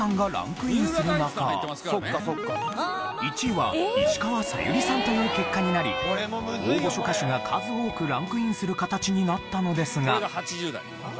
１位は石川さゆりさんという結果になり大御所歌手が数多くランクインする形になったのですが。